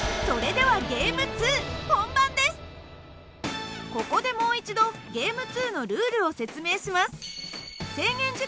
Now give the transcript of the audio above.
それではここでもう一度Ｇａｍｅ２のルールを説明します。